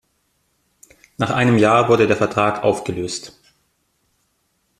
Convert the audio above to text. Nach einem Jahr wurde der Vertrag aufgelöst.